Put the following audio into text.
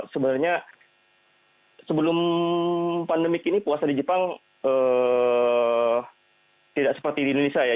sebenarnya sebelum pandemik ini puasa di jepang tidak seperti di indonesia ya